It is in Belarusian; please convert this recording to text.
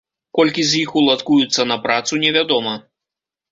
Колькі з іх уладкуюцца на працу, невядома.